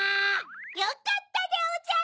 よかったでおじゃる。